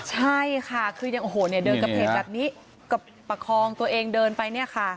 ใช่ค่ะคือยังโอ้โหเนี่ยเดินกระเพกแบบนี้ก็ประคองตัวเองเดินไปเนี่ยค่ะ